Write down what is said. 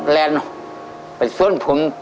แล้วไปส่วนผม